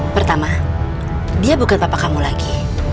pertama dia bukan papa kamu lagi